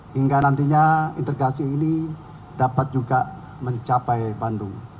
hingga nantinya integrasi ini dapat juga mencapai bandung